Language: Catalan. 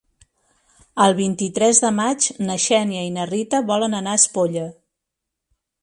El vint-i-tres de maig na Xènia i na Rita volen anar a Espolla.